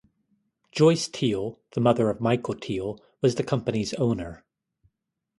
Joyce Teel, the mother of Michael Teel, was the company's owner.